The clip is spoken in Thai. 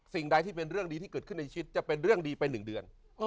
สิ่งใดที่เป็นเรื่องดีที่เกิดขึ้นในชีวิตจะเป็นเรื่องดีไป๑เดือน